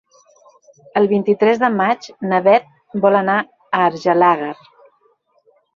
El vint-i-tres de maig na Beth vol anar a Argelaguer.